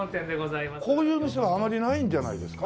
こういう店はあまりないんじゃないですか？